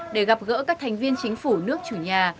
để gặp gỡ các thành viên chính phủ nước chủ nhà